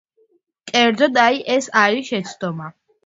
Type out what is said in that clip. კერძოდ, აი, ეს არის შეცდომა.